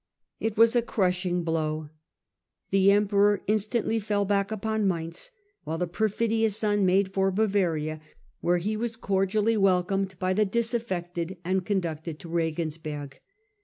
It was a crushing blow. The emperor instantly fell back upon Mainz, while the perfidious son made for Bavaria, where he was cor dially welcomed by the disaffected and conducted to Begensberg.